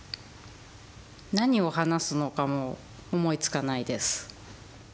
何を話すのかも思いつかないです。